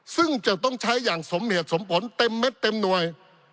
ซึ่งจะต้องใช้อย่างสมเหตุสมผลเต็มเม็ดเต็มหน่วย